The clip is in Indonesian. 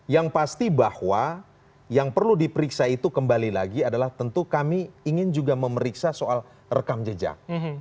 yang pasti bahwa yang perlu diperiksa itu kembali lagi adalah tentu kami ingin juga memeriksa soal rekam jejak